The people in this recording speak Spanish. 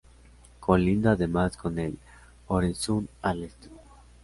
Colinda además con el Øresund al este.